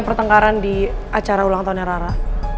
pertengkaran di acara ulang tahunnya rara